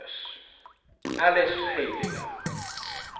ALICE HEYDINGER.